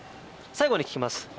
最後に聞きます